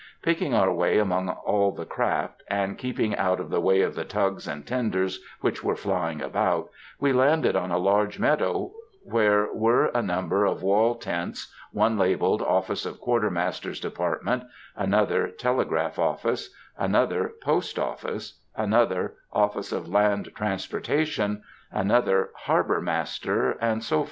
Picking our way among all the craft, and keeping out of the way of the tugs and tenders which were flying about, we landed on a large meadow where were a number of wall tents, one labelled "Office of Quartermaster's Department"; another, "Telegraph Office"; another, "Post Office"; another, "Office of Land Transportation"; another, "Harbor Master," &c., &c.